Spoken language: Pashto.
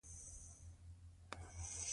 مور د ماشوم ذهن جوړولو کې مرسته کوي.